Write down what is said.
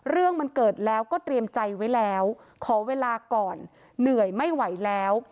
เรื่องมันเกิดแล้วก็เตรียมใจไว้แล้วขอเวลาก่อนเหนื่อยไม่ไหวแล้ว